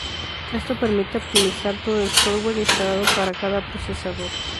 Esto permite optimizar todo el "software" instalado para cada procesador.